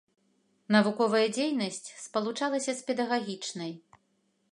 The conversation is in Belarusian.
Навуковая дзейнасць спалучалася з педагагічнай.